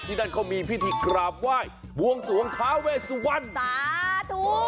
นั่นเขามีพิธีกราบไหว้บวงสวงท้าเวสวรรณสาธุ